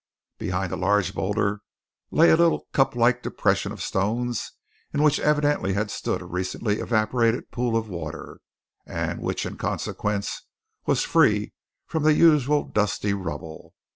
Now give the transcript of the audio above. Behind a large boulder lay a little cuplike depression of stones in which evidently had stood a recently evaporated pool of water, and which, in consequence, was free from the usual dusty rubble.